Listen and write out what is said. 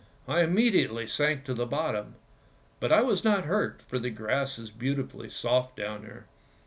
I immediately sank to the bottom, but I was not hurt, for the grass is beautifully soft down there.